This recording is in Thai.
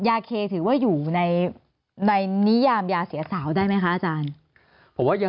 ยาเคถือว่าอยู่ในในนิยามยาเสียสาวได้ไหมคะอาจารย์ผมว่ายัง